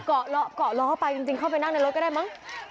เกาะล้อไปจริงเข้าไปนั่งในรถก็ได้มั้ง